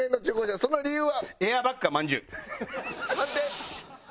その理由は？」。